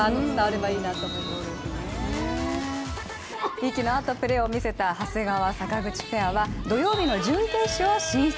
息の合ったプレーを見せた長谷川・坂口ペアは土曜日の準決勝進出。